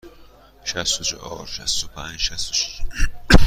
شصت و چهار، شصت و پنج، شصت و شش.